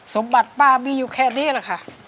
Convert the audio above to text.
สมบัติป้ามีอยู่แค่นี้แหละค่ะ